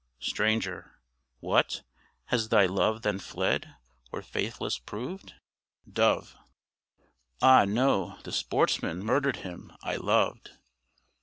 STRANGER What, has thy love then fled, or faithless proved? DOVE Ah no! the sportsman murdered him I loved!